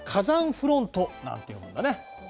フロントなんて呼ぶんだね。